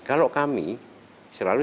kalau kami selalu